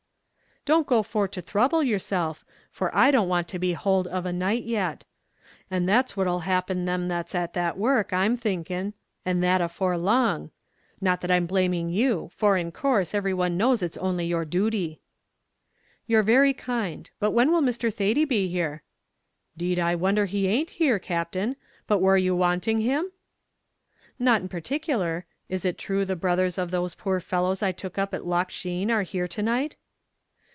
"Don't go for to throuble yourself, for I don't want to be holed of a night yet; and that's what'll happen them that's at that work, I'm thinking; and that afore long not that I'm blaming you, for, in course, every one knows it's only your dooty." "You're very kind; but when will Mr. Thady be here?" "'Deed I wonder he a'nt here, Captain; but war you wanting him?" "Not in particular. Is it true the brothers of those poor fellows I took up at Loch Sheen are here to night?"